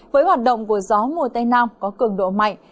với hoạt động của gió mùa tây nam có cường độ mạnh